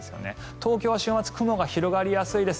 東京は週末雲が広がりやすいです。